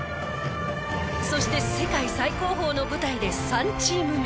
そして世界最高峰の舞台で３チーム目。